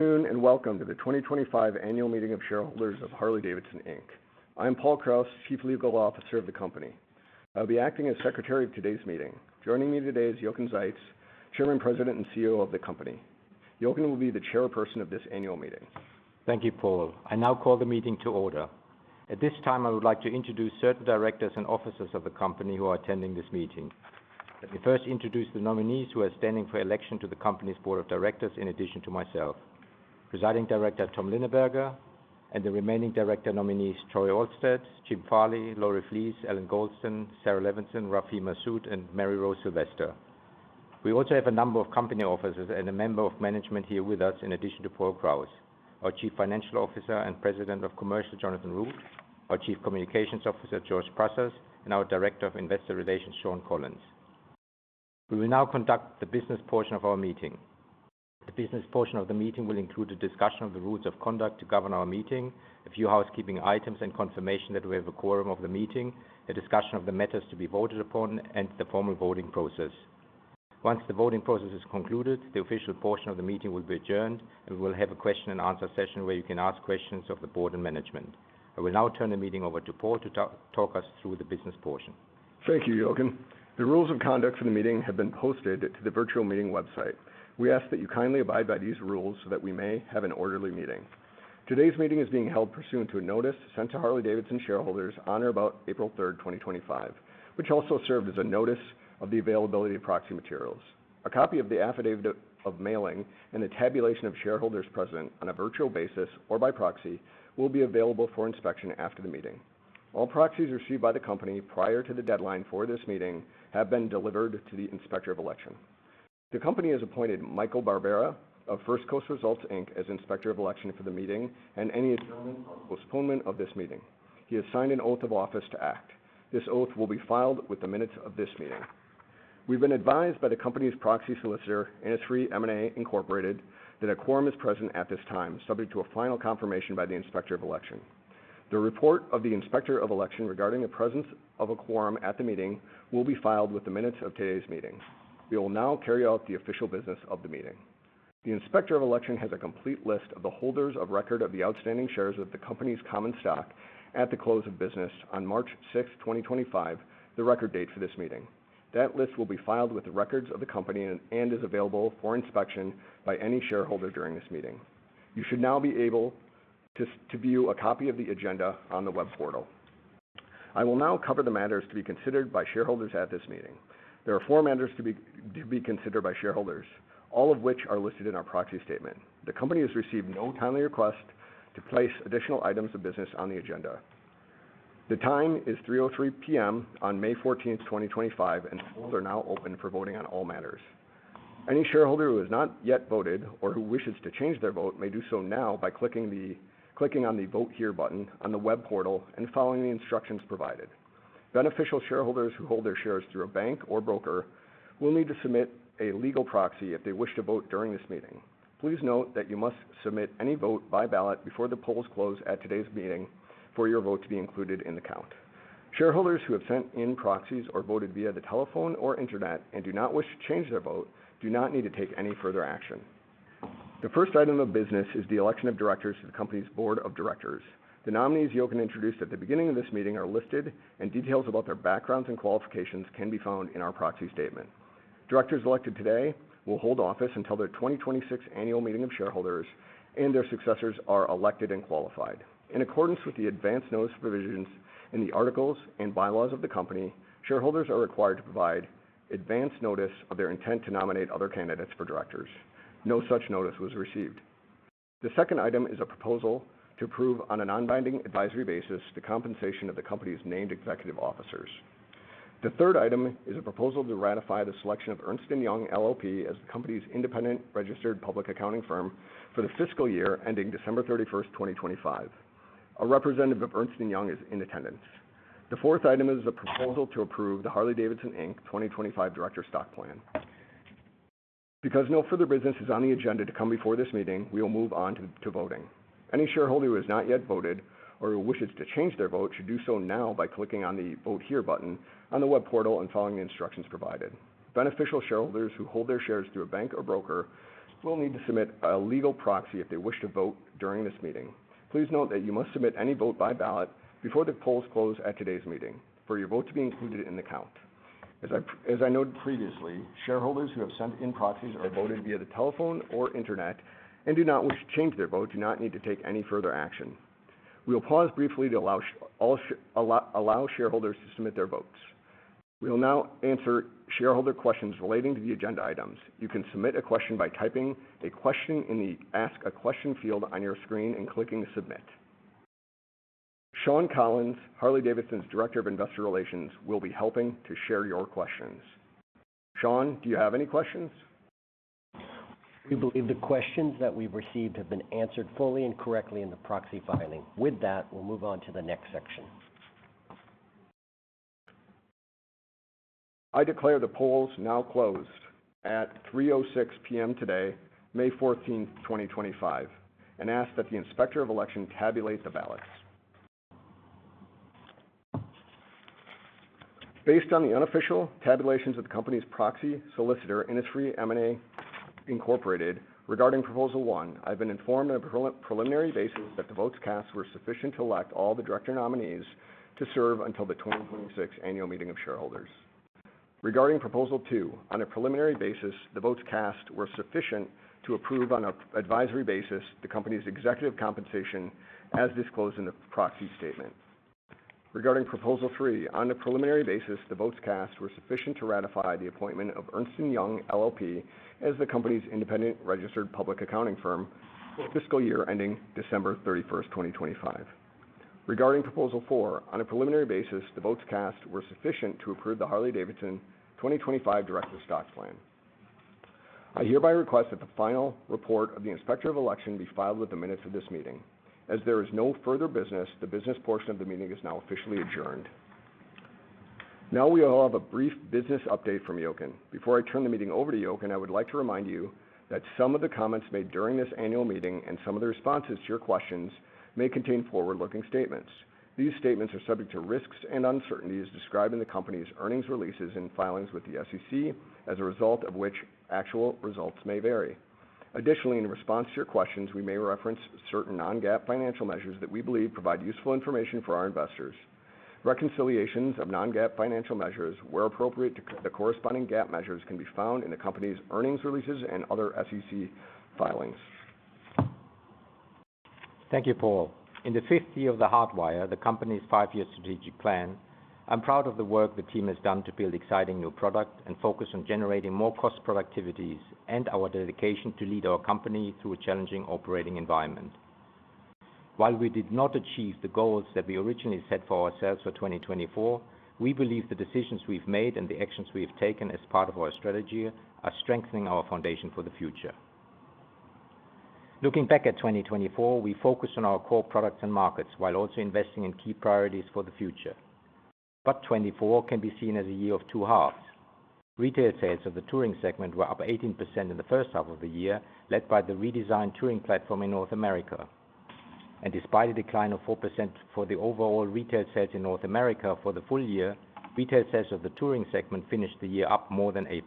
Good afternoon and welcome to the 2025 Annual Meeting of Shareholders of Harley-Davidson. I'm Paul Krause, Chief Legal Officer of the company. I'll be acting as Secretary of today's meeting. Joining me today is Jochen Zeitz, Chairman, President, and CEO of the company. Jochen will be the Chairperson of this Annual Meeting. Thank you, Paul. I now call the meeting to order. At this time, I would like to introduce certain directors and officers of the company who are attending this meeting. Let me first introduce the nominees who are standing for election to the company's Board of Directors, in addition to myself: Presiding Director Tom Linebarger, and the remaining director nominees Troy Olmsted, Jim Farley, Lori Flees, Ellen Goulston, Sara Levinson, Rafeh Masood, and Maryrose Sylvester. We also have a number of company officers and a member of management here with us, in addition to Paul Krause, our Chief Legal Officer and Secretary of the meeting, Jonathan Root, our Chief Financial Officer and President of Commercial, George Prassas, our Chief Communications Officer, and Shawn Collins, our Director of Investor Relations. We will now conduct the business portion of our meeting. The business portion of the meeting will include a discussion of the rules of conduct to govern our meeting, a few housekeeping items and confirmation that we have a quorum of the meeting, a discussion of the matters to be voted upon, and the formal voting process. Once the voting process is concluded, the official portion of the meeting will be adjourned, and we will have a question-and-answer session where you can ask questions of the Board and management. I will now turn the meeting over to Paul to talk us through the business portion. Thank you, Jochen. The rules of conduct for the meeting have been posted to the virtual meeting website. We ask that you kindly abide by these rules so that we may have an orderly meeting. Today's meeting is being held pursuant to a notice sent to Harley-Davidson shareholders on or about April 3rd, 2025, which also served as a notice of the availability of proxy materials. A copy of the affidavit of mailing and the tabulation of shareholders present on a virtual basis or by proxy will be available for inspection after the meeting. All proxies received by the company prior to the deadline for this meeting have been delivered to the Inspector of Election. The company has appointed Michael Barbera of First Coast Results, Inc. as Inspector of Election for the meeting and any adjournment or postponement of this meeting. He has signed an oath of office to act. This oath will be filed with the minutes of this meeting. We've been advised by the company's proxy solicitor, Innisfree M&A Incorporated, that a quorum is present at this time, subject to a final confirmation by the Inspector of Election. The report of the Inspector of Election regarding the presence of a quorum at the meeting will be filed with the minutes of today's meeting. We will now carry out the official business of the meeting. The Inspector of Election has a complete list of the holders of record of the outstanding shares of the company's common stock at the close of business on March 6th, 2025, the record date for this meeting. That list will be filed with the records of the company and is available for inspection by any shareholder during this meeting. You should now be able to view a copy of the agenda on the web portal. I will now cover the matters to be considered by shareholders at this meeting. There are four matters to be considered by shareholders, all of which are listed in our proxy statement. The company has received no timely request to place additional items of business on the agenda. The time is 3:03 P.M. on May 14th, 2025, and the floors are now open for voting on all matters. Any shareholder who has not yet voted or who wishes to change their vote may do so now by clicking on the Vote Here button on the web portal and following the instructions provided. Beneficial shareholders who hold their shares through a bank or broker will need to submit a legal proxy if they wish to vote during this meeting. Please note that you must submit any vote by ballot before the polls close at today's meeting for your vote to be included in the count. Shareholders who have sent in proxies or voted via the telephone or internet and do not wish to change their vote do not need to take any further action. The first item of business is the election of directors to the company's Board of Directors. The nominees Jochen introduced at the beginning of this meeting are listed, and details about their backgrounds and qualifications can be found in our proxy statement. Directors elected today will hold office until their 2026 Annual Meeting of Shareholders, and their successors are elected and qualified. In accordance with the advance notice provisions in the articles and bylaws of the company, shareholders are required to provide advance notice of their intent to nominate other candidates for directors. No such notice was received. The second item is a proposal to approve on an unbinding advisory basis the compensation of the company's named executive officers. The third item is a proposal to ratify the selection of Ernst & Young LLP as the company's independent registered public accounting firm for the fiscal year ending December 31, 2025. A representative of Ernst & Young is in attendance. The fourth item is a proposal to approve the Harley-Davidson 2025 Directors' Stock Plan. Because no further business is on the agenda to come before this meeting, we will move on to voting. Any shareholder who has not yet voted or who wishes to change their vote should do so now by clicking on the Vote Here button on the web portal and following the instructions provided. Beneficial shareholders who hold their shares through a bank or broker will need to submit a legal proxy if they wish to vote during this meeting. Please note that you must submit any vote by ballot before the polls close at today's meeting for your vote to be included in the count. As I noted previously, shareholders who have sent in proxies or voted via the telephone or internet and do not wish to change their vote do not need to take any further action. We will pause briefly to allow shareholders to submit their votes. We will now answer shareholder questions relating to the agenda items. You can submit a question by typing a question in the Ask a Question field on your screen and clicking Submit. Shawn Collins, Harley-Davidson's Director of Investor Relations, will be helping to share your questions. Shawn, do you have any questions? We believe the questions that we've received have been answered fully and correctly in the proxy filing. With that, we'll move on to the next section. I declare the polls now closed at 3:06 P.M. today, May 14th, 2025, and ask that the Inspector of Election tabulate the ballots. Based on the unofficial tabulations of the company's proxy solicitor, Innisfree M&A Incorporated, regarding Proposal One, I've been informed on a preliminary basis that the votes cast were sufficient to elect all the director nominees to serve until the 2026 Annual Meeting of Shareholders. Regarding Proposal Two, on a preliminary basis, the votes cast were sufficient to approve on an advisory basis the company's executive compensation as disclosed in the proxy statement. Regarding Proposal Three, on a preliminary basis, the votes cast were sufficient to ratify the appointment of Ernst & Young LLP as the company's independent registered public accounting firm for the fiscal year ending December 31st, 2025. Regarding Proposal Four, on a preliminary basis, the votes cast were sufficient to approve the Harley-Davidson 2025 Directors' Stock Plan. I hereby request that the final report of the Inspector of Election be filed with the minutes of this meeting. As there is no further business, the business portion of the meeting is now officially adjourned. Now we will have a brief business update from Jochen. Before I turn the meeting over to Jochen, I would like to remind you that some of the comments made during this Annual Meeting and some of the responses to your questions may contain forward-looking statements. These statements are subject to risks and uncertainties described in the company's earnings releases and filings with the SEC, as a result of which actual results may vary. Additionally, in response to your questions, we may reference certain non-GAAP financial measures that we believe provide useful information for our investors. Reconciliations of non-GAAP financial measures, where appropriate, to the corresponding GAAP measures can be found in the company's earnings releases and other SEC filings. Thank you, Paul. In the fifth year of the Hardwire, the company's five-year strategic plan, I'm proud of the work the team has done to build exciting new product and focus on generating more cost productivities and our dedication to lead our company through a challenging operating environment. While we did not achieve the goals that we originally set for ourselves for 2024, we believe the decisions we've made and the actions we've taken as part of our strategy are strengthening our foundation for the future. Looking back at 2024, we focused on our core products and markets while also investing in key priorities for the future. '24 can be seen as a year of two halves. Retail sales of the touring segment were up 18% in the first half of the year, led by the redesigned touring platform in North America. Despite a decline of 4% for the overall retail sales in North America for the full year, retail sales of the touring segment finished the year up more than 8%.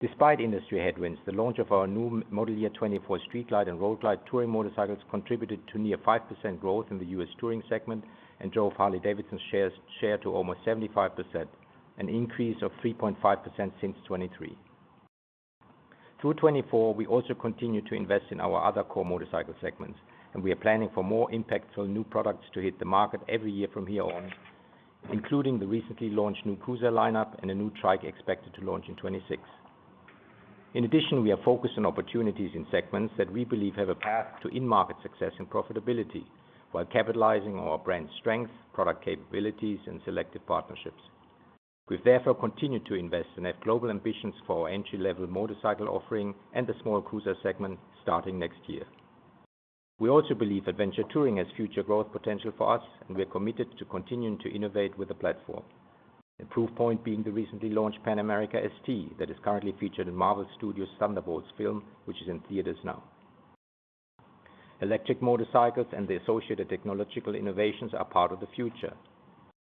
Despite industry headwinds, the launch of our new model year 2024 Street Glide and Road Glide touring motorcycles contributed to near 5% growth in the U.S. touring segment and drove Harley-Davidson's shares to almost 75%, an increase of 3.5% since 2023. Through 2024, we also continue to invest in our other core motorcycle segments, and we are planning for more impactful new products to hit the market every year from here on, including the recently launched new Cruiser lineup and a new Trike expected to launch in 2026. In addition, we are focused on opportunities in segments that we believe have a path to in-market success and profitability while capitalizing on our brand strength, product capabilities, and selective partnerships. We've therefore continued to invest and have global ambitions for our entry-level motorcycle offering and the small Cruiser segment starting next year. We also believe adventure touring has future growth potential for us, and we're committed to continuing to innovate with the platform, the proof point being the recently launched Pan-America ST that is currently featured in Marvel Studios' Thunderbolts film, which is in theaters now. Electric motorcycles and the associated technological innovations are part of the future.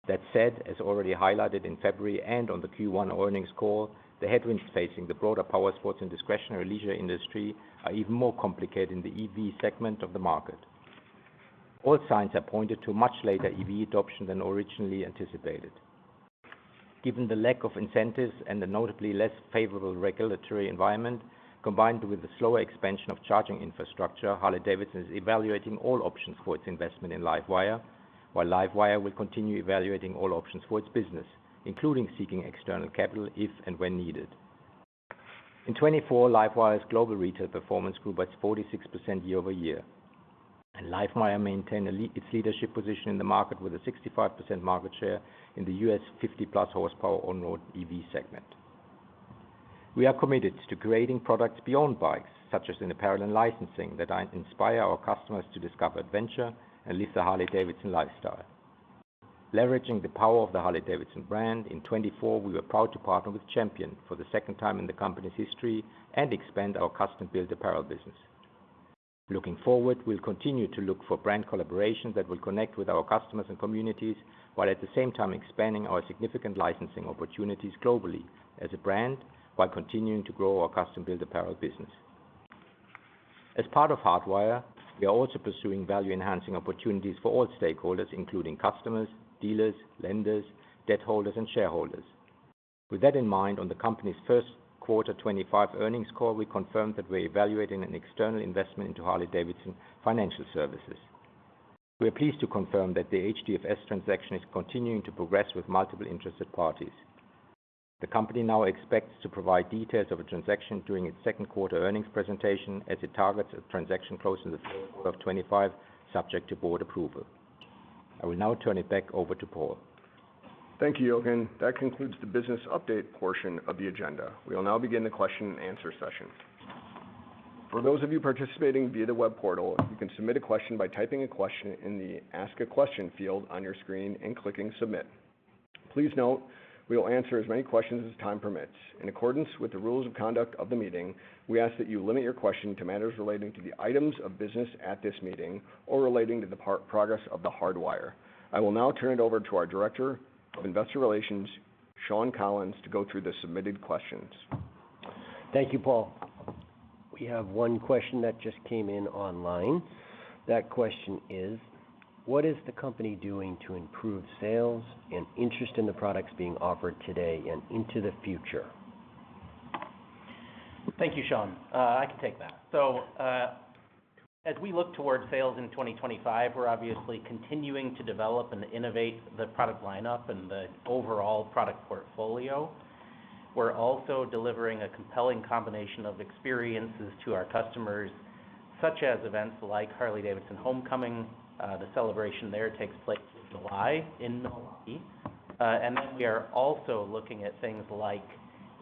That said, as already highlighted in February and on the Q1 earnings call, the headwinds facing the broader power sports and discretionary leisure industry are even more complicated in the EV segment of the market. All signs are pointed to a much later EV adoption than originally anticipated. Given the lack of incentives and the notably less favorable regulatory environment, combined with the slower expansion of charging infrastructure, Harley-Davidson is evaluating all options for its investment in LiveWire, while LiveWire will continue evaluating all options for its business, including seeking external capital if and when needed. In 2024, LiveWire's global retail performance grew by 46% year over year, and LiveWire maintained its leadership position in the market with a 65% market share in the US 50-plus horsepower on-road EV segment. We are committed to creating products beyond bikes, such as in apparel and licensing, that inspire our customers to discover adventure and live the Harley-Davidson lifestyle. Leveraging the power of the Harley-Davidson brand, in 2024, we were proud to partner with Champion for the second time in the company's history and expand our custom-built apparel business. Looking forward, we'll continue to look for brand collaborations that will connect with our customers and communities while at the same time expanding our significant licensing opportunities globally as a brand while continuing to grow our custom-built apparel business. As part of Hardwire, we are also pursuing value-enhancing opportunities for all stakeholders, including customers, dealers, lenders, debt holders, and shareholders. With that in mind, on the company's first quarter 2025 earnings call, we confirmed that we're evaluating an external investment into Harley-Davidson Financial Services. We are pleased to confirm that the HDFS transaction is continuing to progress with multiple interested parties. The company now expects to provide details of a transaction during its second quarter earnings presentation as it targets a transaction closed in the first quarter of 2025, subject to board approval. I will now turn it back over to Paul. Thank you, Jochen. That concludes the business update portion of the agenda. We will now begin the question-and-answer session. For those of you participating via the web portal, you can submit a question by typing a question in the Ask a Question field on your screen and clicking Submit. Please note we will answer as many questions as time permits. In accordance with the rules of conduct of the meeting, we ask that you limit your question to matters relating to the items of business at this meeting or relating to the progress of the Hardwire. I will now turn it over to our Director of Investor Relations, Shawn Collins, to go through the submitted questions. Thank you, Paul. We have one question that just came in online. That question is, what is the company doing to improve sales and interest in the products being offered today and into the future? Thank you, Shawn. I can take that. As we look towards sales in 2025, we're obviously continuing to develop and innovate the product lineup and the overall product portfolio. We're also delivering a compelling combination of experiences to our customers, such as events like Harley-Davidson Homecoming. The celebration there takes place in July in Milwaukee. We are also looking at things like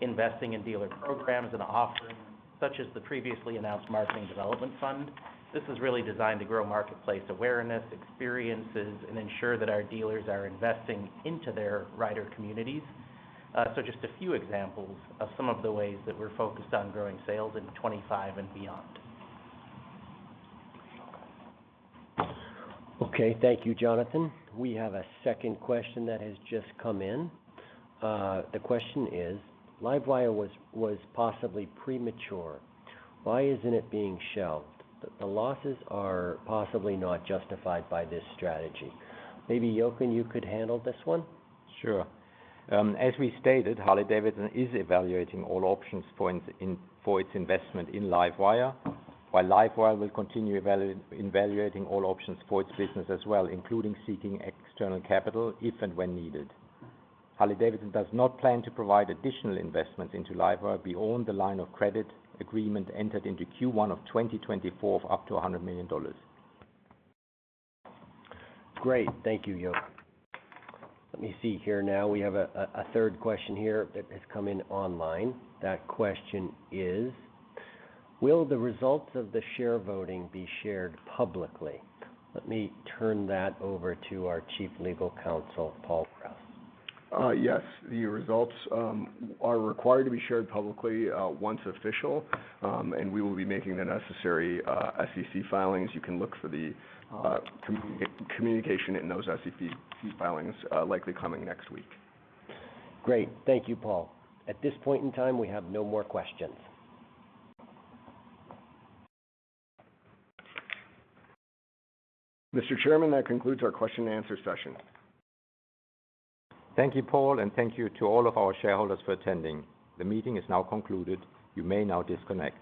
investing in dealer programs and offerings such as the previously announced Marketing Development Fund. This is really designed to grow marketplace awareness, experiences, and ensure that our dealers are investing into their rider communities. Just a few examples of some of the ways that we're focused on growing sales in 2025 and beyond. Okay, thank you, Jonathan. We have a second question that has just come in. The question is, LiveWire was possibly premature. Why isn't it being shelved? The losses are possibly not justified by this strategy. Maybe Jochen, you could handle this one. Sure. As we stated, Harley-Davidson is evaluating all options for its investment in LiveWire, while LiveWire will continue evaluating all options for its business as well, including seeking external capital if and when needed. Harley-Davidson does not plan to provide additional investments into LiveWire beyond the line of credit agreement entered into Q1 of 2024 of up to $100 million. Great. Thank you, Jochen. Let me see here now. We have a third question here that has come in online. That question is, will the results of the share voting be shared publicly? Let me turn that over to our Chief Legal Officer, Paul Krause. Yes. The results are required to be shared publicly once official, and we will be making the necessary SEC filings. You can look for the communication in those SEC filings likely coming next week. Great. Thank you, Paul. At this point in time, we have no more questions. Mr. Chairman, that concludes our question-and-answer session. Thank you, Paul, and thank you to all of our shareholders for attending. The meeting is now concluded. You may now disconnect.